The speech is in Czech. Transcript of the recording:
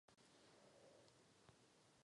Hlavním stavebním prvkem masivu je vápenec.